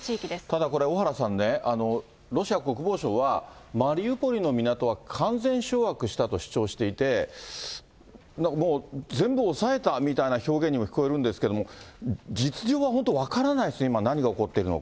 ただこれ、小原さんね、ロシア国防省は、マリウポリの港は完全掌握したと主張していて、もう全部押さえたみたいな表現にも聞こえるんですけれども、実情は本当分からないですね、